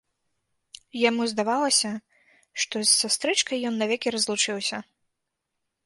Яму здавалася, што з сястрычкай ён навекі разлучыўся.